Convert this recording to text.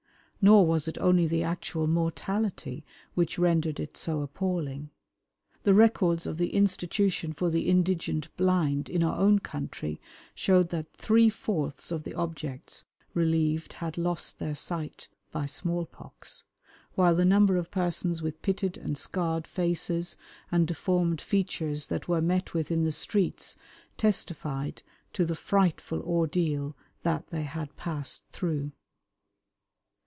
Nor was it only the actual mortality which rendered it so appalling. The records of the Institution for the Indigent Blind in our own country showed that three fourths of the objects relieved had lost their sight by small pox, while the number of persons with pitted and scarred faces and deformed features that were met with in the streets testified to the frightful ordeal that they had passed through.